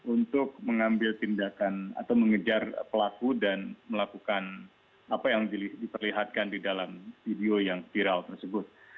untuk mengambil tindakan atau mengejar pelaku dan melakukan apa yang diperlihatkan di dalam video yang viral tersebut